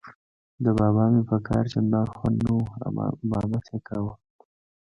د بابا مې په کار چندان خوند نه و، امامت یې کاوه.